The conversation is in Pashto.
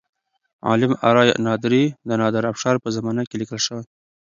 عالم آرای نادري د نادر افشار په زمانه کې لیکل شوی.